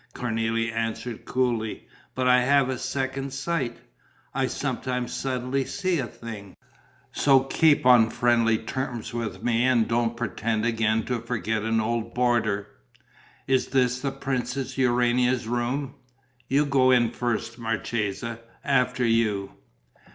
Cornélie answered, coolly. "But I have second sight. I sometimes suddenly see a thing. So keep on friendly terms with me and don't pretend again to forget an old boarder.... Is this the Princess Urania's room? You go in first, marchesa; after you...."